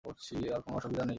আরে কোনো অসুবিধা নেই!